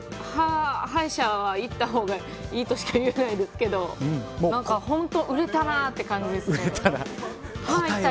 歯医者は行った方がいいとしか言えないですけどなんか本当に売れたなって感じですね。